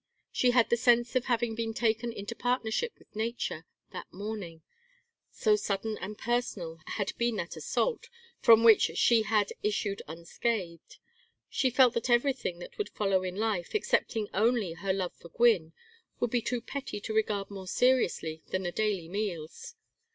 She had the sense of having been taken into partnership with nature that morning; so sudden and personal had been that assault, from which she yet had issued unscathed. She felt that everything that would follow in life, excepting only her love for Gwynne, would be too petty to regard more seriously than the daily meals.